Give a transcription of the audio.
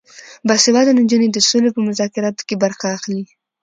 باسواده نجونې د سولې په مذاکراتو کې برخه اخلي.